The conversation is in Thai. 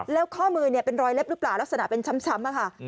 แล้วข้อมือเป็นรอยเล็บหรือเปล่าลักษณะเป็นช้ำอะค่ะ